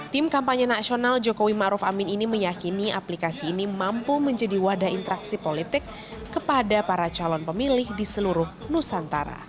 tim kampanye nasional jokowi maruf amin ini meyakini aplikasi ini mampu menjadi wadah interaksi politik kepada para calon pemilih di seluruh nusantara